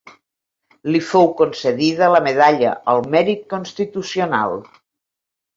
Li fou concedida la Medalla al Mèrit Constitucional.